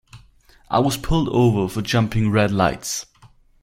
I was pulled over for jumping red lights.